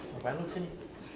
ngapain lu kesini